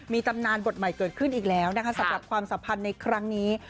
มีตำนานบทใหม่เกิดขึ้นอีกแล้วนะคะสำหรับความสัมพันธ์ในครั้งนี้